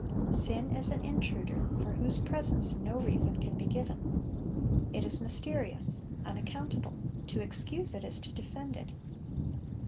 Sin is an intruder, for whose presence no reason can be given. It is mysterious, unaccountable; to excuse it, is to defend it.